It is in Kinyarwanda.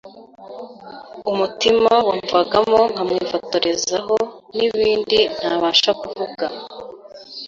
umutima wamvagamo nkamwifotorezaho n’ibindi ntabasha kuvuga